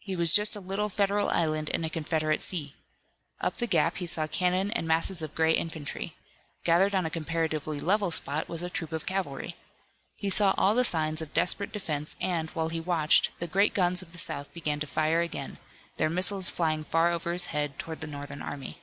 He was just a little Federal island in a Confederate sea. Up the gap he saw cannon and masses of gray infantry. Gathered on a comparatively level spot was a troop of cavalry. He saw all the signs of a desperate defense, and, while he watched, the great guns of the South began to fire again, their missiles flying far over his head toward the Northern army.